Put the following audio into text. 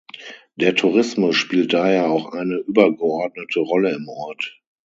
Der Tourismus spielt daher auch eine übergeordnete Rolle im Ort.